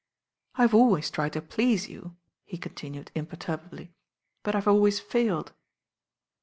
V "I've always tried to please you," he continued imperturbably; "but I've always failed."